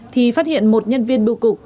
thì phát hiện một nhân viên bưu cục